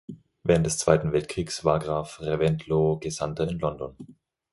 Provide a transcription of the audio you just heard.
Während des Zweiten Weltkrieges war Graf Reventlow Gesandter in London.